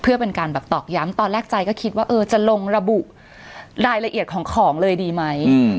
เพื่อเป็นการแบบตอกย้ำตอนแรกใจก็คิดว่าเออจะลงระบุรายละเอียดของของเลยดีไหม